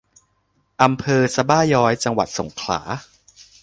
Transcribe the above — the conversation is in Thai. อำเภอสะบ้าย้อย จังหวัดสงขลา